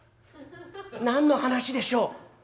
「何の話でしょう？」。